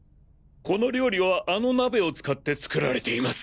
この料理はあの鍋を使って作られています。